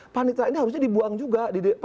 panitra ini harusnya dibuang juga